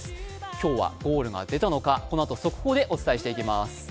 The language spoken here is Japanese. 今日はゴールが出たのか、このあと速報でお伝えしていきます。